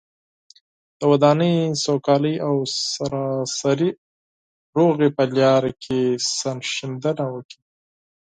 د ودانۍ، سوکالۍ او سراسري سولې په لاره کې سرښندنه وکړي.